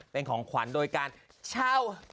เป็นของขวัญโดยการเช่า